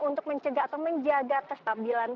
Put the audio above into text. untuk mencegah atau menjaga kestabilan